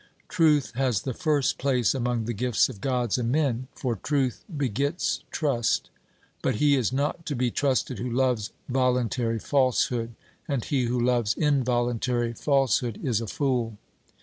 Truth has the first place among the gifts of Gods and men, for truth begets trust; but he is not to be trusted who loves voluntary falsehood, and he who loves involuntary falsehood is a fool.